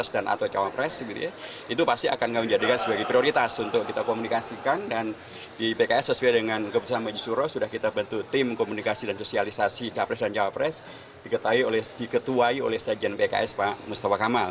di pks sesuai dengan keputusan maju suruh sudah kita bantu tim komunikasi dan sosialisasi capres dan capres diketuai oleh sejen pks pak mustafa kamal